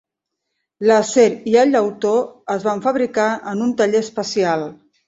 L"acer i el llautó es van fabricar en un taller especial.